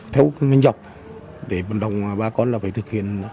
theo nguyên dọc để bận động bà con là phải thực hiện